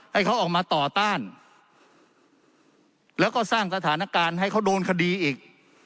ให้เขาออกมาต่อต้านแล้วก็สร้างสถานการณ์ให้เขาโดนคดีอีก